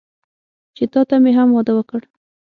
چې تاته مې هم واده وکړ.